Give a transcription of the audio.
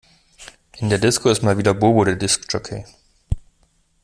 In der Disco ist mal wieder Bobo der Disk Jockey.